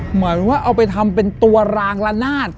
เหมือนว่าเอาไปทำเป็นตัวรางละนาด